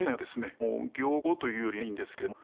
もう僥倖というよりないんですけれども。